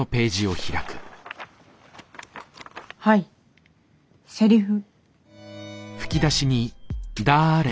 はいセリフ。